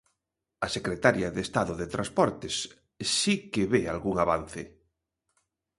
A secretaria de Estado de transportes si que ve algún avance.